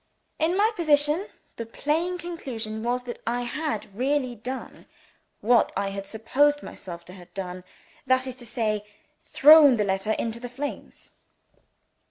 In my position, the plain conclusion was that I had really done what I supposed myself to have done that is to say, thrown the letter into the flames.